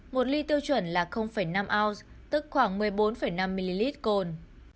một ly tiêu chuẩn là năm oz tức khoảng một mươi bốn năm ml cồn